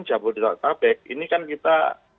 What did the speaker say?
jabodetabek ini kan kita